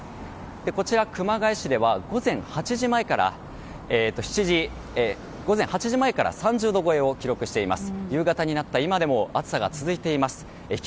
こちら、熊谷市では午前８時前から３０度超えを記録しています。